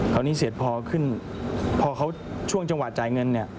คราวนี้เสียดพอขึ้นพอเขาช่วงจังหวะจ่ายเงินเนี่ย